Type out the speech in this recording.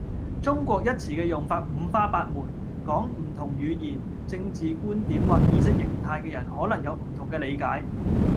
「中國」一詞嘅用法五花八門，講唔同語言，政治觀點或意識形態嘅人可能有唔同嘅理解